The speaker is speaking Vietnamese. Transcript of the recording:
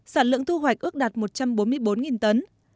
sản lượng thu hoạch ước đạt một trăm bốn mươi bốn tấn